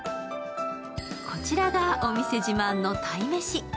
こちらが、お店自慢の鯛めし。